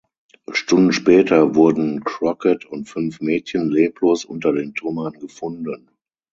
Stunden später wurden Crockett und fünf Mädchen leblos unter den Trümmern gefunden.